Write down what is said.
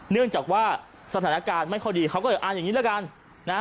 เนื่องจากว่าสถานการณ์ไม่ค่อยดีเขาก็เลยอ่านอย่างนี้ละกันนะ